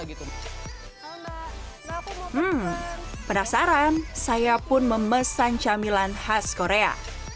hmm penasaran saya pun memesan camilan khas korea